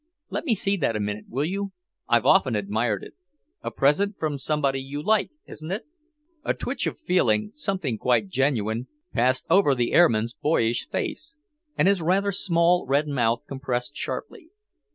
"Let me see that a minute, will you? I've often admired it. A present from somebody you like, isn't it?" A twitch of feeling, something quite genuine, passed over the air man's boyish face, and his rather small red mouth compressed sharply.